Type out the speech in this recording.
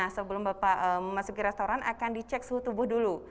nah sebelum bapak masuk ke restoran akan dicek suhu tubuh dulu